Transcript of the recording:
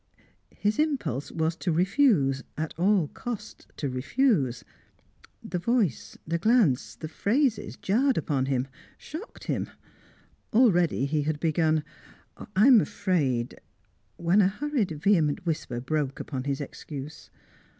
His impulse was to refuse, at all costs to refuse. The voice, the glance, the phrases jarred upon him, shocked him. Already he had begun "I am afraid" when a hurried, vehement whisper broke upon his excuse.